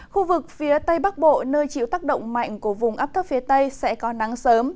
khu vực phía tây bắc bộ nơi chịu tác động mạnh của vùng ấp thấp phía tây sẽ có nắng sớm